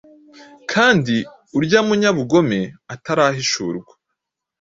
kandi urya munyabugome atarahishurwa,